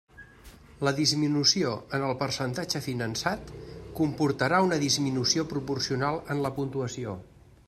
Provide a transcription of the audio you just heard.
La disminució en el percentatge finançat comportarà una disminució proporcional en la puntuació.